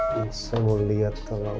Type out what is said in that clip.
bisa mau liat kalau